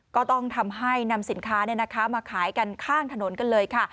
ก็ต้องทำให้นำสินค้ามาขายกันข้างถนนกันเลยค่ะ